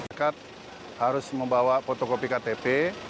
masyarakat harus membawa fotokopi ktp